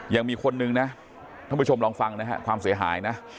ยังมีคนนึงนะท่านผู้ชมลองฟังนะฮะความเสียหายนะ